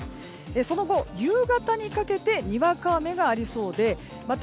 その後、夕方にかけてにわか雨がありそうでまた